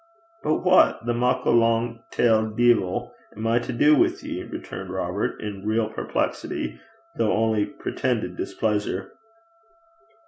'But what the muckle lang tailed deevil! am I to do wi' ye?' returned Robert, in real perplexity, though only pretended displeasure.